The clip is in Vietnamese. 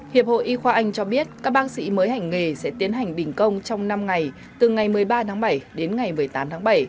hiệp hội y khoa anh cho biết các bác sĩ mới hành nghề sẽ tiến hành đình công trong năm ngày từ ngày một mươi ba tháng bảy đến ngày một mươi tám tháng bảy